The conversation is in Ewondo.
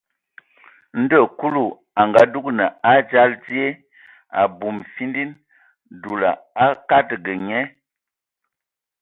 Ndo Kulu a ngadugan a dzal die, abum findim, dulu a kadag nye.